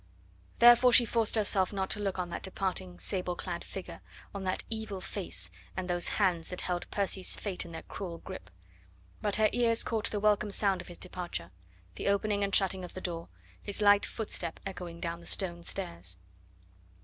Therefore she forced herself not to look on that departing, sable clad figure, on that evil face, and those hands that held Percy's fate in their cruel grip; but her ears caught the welcome sound of his departure the opening and shutting of the door, his light footstep echoing down the stone stairs.